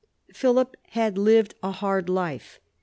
Philip had lived a hard life.